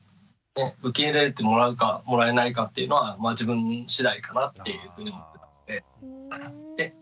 受け入れてもらうかもらえないかっていうのは自分次第かなっていうふうに思って。